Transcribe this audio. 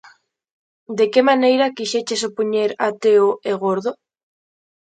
De que maneira quixeches opoñer a Teo e Gordo?